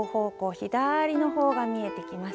左の方が見えてきます。